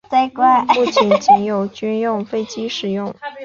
目前仅有军用飞机使用。